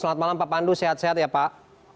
selamat malam pak pandu sehat sehat ya pak